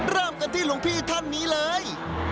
เริ่มกันที่หลวงพี่ท่านนี้เลย